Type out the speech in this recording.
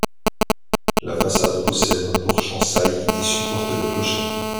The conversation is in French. La façade possède un porche en saillie et supporte le clocher.